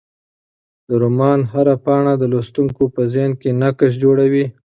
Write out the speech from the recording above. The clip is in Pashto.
د رومان هره پاڼه د لوستونکي په ذهن کې نقش جوړوي.